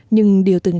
nhưng điều từng